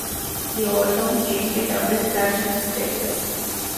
The album gained double platinum status.